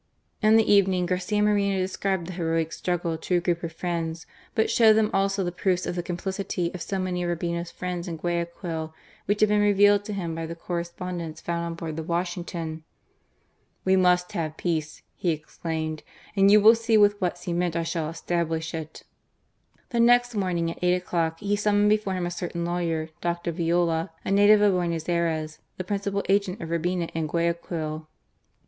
In the evening Garcia Moreno described the heroic struggle to a group of friends, but showed them also the proofs of the complicity of so many of Urbina's friends in Guayaquil, which had been revealed to him by the correspondence found on board the Washington. " We must have peace," he i66 OMCIA MORENO. exclaimed, "and you will see with what cemen* F shiall establish it." ? The next morning at «ight o'clock he snmm^n^ before him a certain lawyer, Dr, Viola, a native of Buenos Ayres, the principal agent of Urbina io Guayaquil.